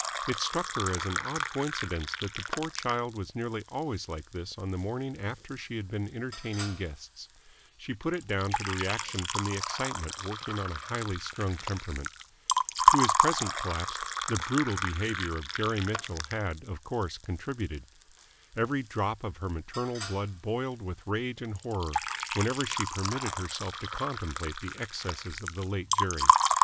It struck her as an odd coincidence that the poor child was nearly always like this on the morning after she had been entertaining guests; she put it down to the reaction from the excitement working on a highly strung temperament. To his present collapse the brutal behaviour of Jerry Mitchell had, of course, contributed. Every drop of her maternal blood boiled with rage and horror whenever she permitted herself to contemplate the excesses of the late Jerry.